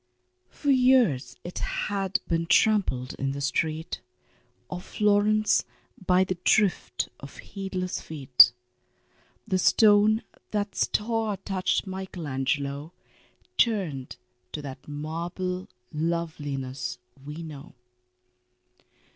For years it had been trampled in the street Of Florence by the drift of heedless feet The stone that star touched Michael Angelo Turned to that marble loveliness we know.